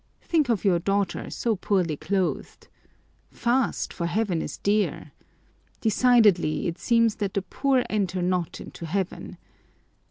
Think of your daughter, so poorly clothed! Fast, for heaven is dear! Decidedly, it seems that the poor enter not into heaven.